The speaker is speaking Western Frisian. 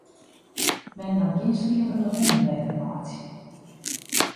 Men moat gjin sliepende hûnen wekker meitsje.